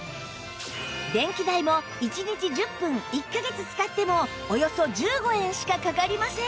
電気代も１日１０分１カ月使ってもおよそ１５円しかかかりません